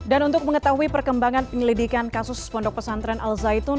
dan untuk mengetahui perkembangan penyelidikan kasus pondok pesantren al zaitun